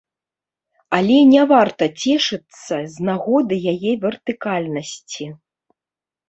Але не варта цешыцца з нагоды яе вертыкальнасці.